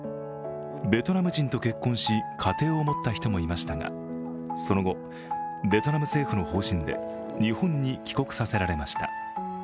ベトナム人と結婚し、家庭を持った人もいましたが、その後、ベトナム政府の方針で日本に帰国させられました。